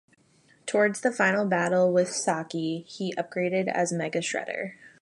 Towards the final battle with Saki, he is upgraded as Mega Shredder.